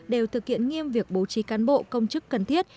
đều thực hiện nghiêm việc bố trí cán bộ công chức cần thiết